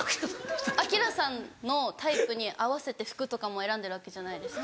アキラさんのタイプに合わせて服とかも選んでるわけじゃないですか。